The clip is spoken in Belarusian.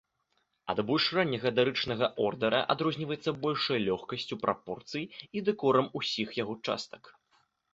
Ад больш ранняга дарычнага ордара адрозніваецца большай лёгкасцю прапорцый і дэкорам усіх яго частак.